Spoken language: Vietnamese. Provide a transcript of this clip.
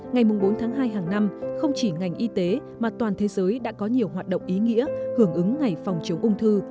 ngày bốn tháng hai hàng năm không chỉ ngành y tế mà toàn thế giới đã có nhiều hoạt động ý nghĩa hưởng ứng ngày phòng chống ung thư